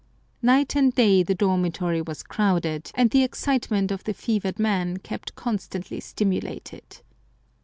" Night and day the dormitory was crowded, and the excite ment of the fevered man kept constantly stimulated.